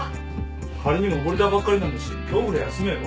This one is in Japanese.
仮にも溺れたばっかりなんだし今日ぐらい休めば？